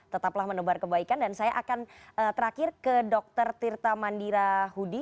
tetaplah menebar kebaikan dan saya akan terakhir ke dr tirta mandira hudi